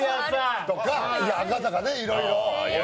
いや、赤坂ね、いろいろ。